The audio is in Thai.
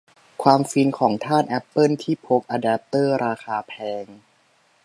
ความฟินของทาสแอปเปิลที่พกอแดปเตอร์ราคาแพง